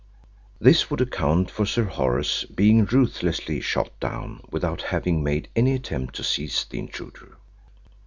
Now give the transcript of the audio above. This would account for Sir Horace being ruthlessly shot down without having made any attempt to seize the intruder.